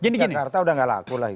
di jakarta sudah tidak laku